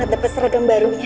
gak dapet seragam barunya